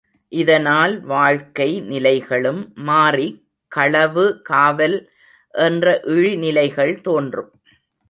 இதனால் வாழ்க்கை நிலைகளும் மாறிக் களவு, காவல் என்ற இழிநிலைகள் தோன்றும்.